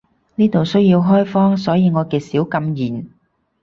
呢度需要開荒，所以我極少禁言